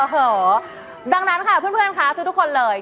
อ๋อเหอะดังนั้นค่ะเพื่อนค่ะทุกคนเลย